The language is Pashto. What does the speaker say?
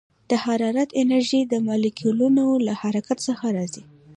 د حرارت انرژي د مالیکولونو له حرکت څخه راځي.